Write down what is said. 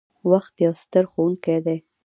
• وخت یو ستر ښوونکی دی.